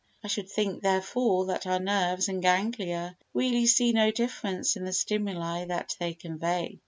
I should think, therefore, that our nerves and ganglia really see no difference in the stimuli that they convey.